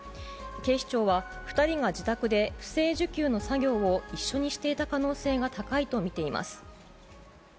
警視庁は、２人が自宅で不正受給の作業を一緒にしていた可能性が高いと見ています。